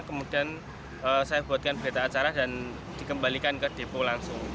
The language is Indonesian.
kemudian saya buatkan berita acara dan dikembalikan ke depo langsung